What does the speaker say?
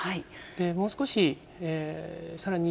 もう少しさらに